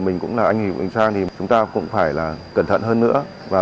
nhưng qua đó cũng không thể tự mãn